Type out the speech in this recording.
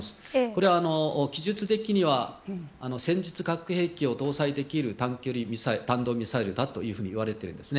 これは技術的には戦術核兵器を搭載できる短距離弾道ミサイルだといわれているんです。